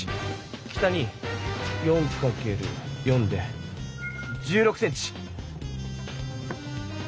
北に４かける４で１６ｃｍ。